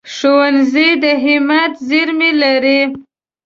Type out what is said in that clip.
ښوونځی د همت زېرمې لري